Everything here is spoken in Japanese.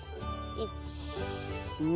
１２。